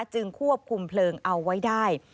จึงควบคุมเพลิงเอาไว้ได้